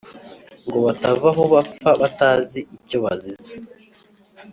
ngo batava aho bapfa batazi icyo bazize.